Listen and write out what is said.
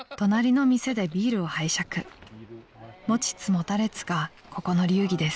［持ちつ持たれつがここの流儀です］